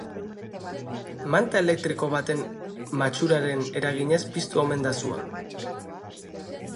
Manta elektriko baten matxuraren eraginez piztu omen da sua.